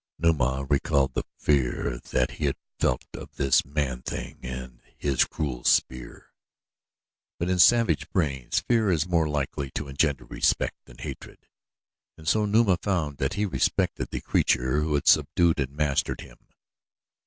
Numa recalled the fear that he had felt of this man thing and his cruel spear; but in savage brains fear is more likely to engender respect than hatred and so Numa found that he respected the creature who had subdued and mastered him.